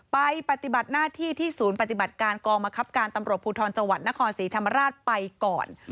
ปฏิบัติหน้าที่ที่ศูนย์ปฏิบัติการกองบังคับการตำรวจภูทรจังหวัดนครศรีธรรมราชไปก่อน